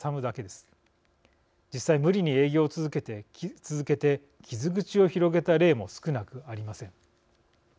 実際無理に営業を続けて傷口を広げた例も少なくありません。